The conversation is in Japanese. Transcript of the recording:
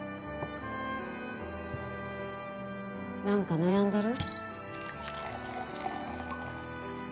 何か悩んでる？